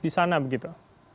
di sana begitu